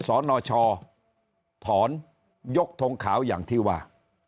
สนชถอนยกทงขาวอย่างที่ว่า